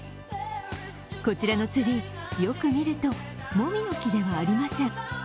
こちらのツリー、よく見るともみの木ではありません。